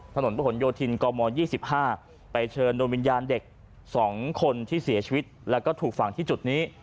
ถนนประหลโยธินกม๒๕ไปเชิญโดยวิญญาณเด็ก๒คนที่เสียชีวิตแล้วก็ถูกฝังที่จุดนี้